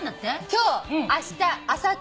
今日あしたあさって